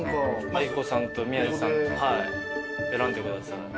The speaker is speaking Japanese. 明子さんと宮治さん選んでください。